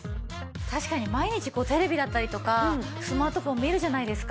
確かに毎日こうテレビだったりとかスマートフォン見るじゃないですか。